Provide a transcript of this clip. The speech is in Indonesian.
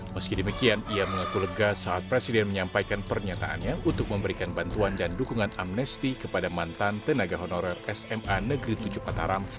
meski demikian ia mengaku lega saat presiden menyampaikan pernyataannya untuk memberikan bantuan dan dukungan amnesti kepada mantan tenaga honorer sma negeri tujuh mataram